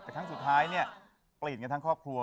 แต่ครั้งสุดท้ายเนี่ยเปลี่ยนกันทั้งครอบครัว